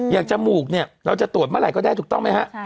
อย่างจมูกเราจะตรวจเมื่อไหร่ก็ได้ถูกต้องไหมคะ